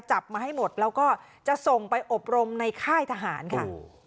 จับมาให้หมดแล้วก็จะส่งไปอบรมในค่ายทหารค่ะ